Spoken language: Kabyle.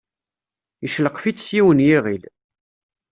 Yeccelqef-itt s yiwen n yiɣil.